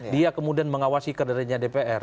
dia kemudian mengawasi kadernya dpr